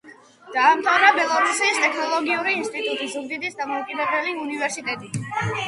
დაამთავრა ბელორუსიის ტექნოლოგიური ინსტიტუტი; ზუგდიდის დამოუკიდებელი უნივერსიტეტი.